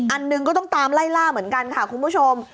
อันหนึ่งก็ต้องตามไล่ล่าเหมือนกันค่ะคุณผู้ชม